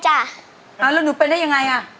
แล้วหนูเป็นได้ยังไงอ่ะ